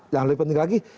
yang lebih penting lagi